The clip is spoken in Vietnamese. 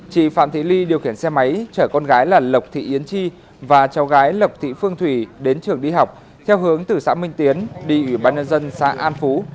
chị phạm thị ly điều khiển xe máy chở con gái là lộc thị yến chi và cháu gái lộc thị phương thủy đến trường đi học theo hướng từ xã minh tiến đi ủy ban nhân dân xã an phú